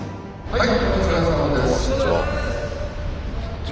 はい。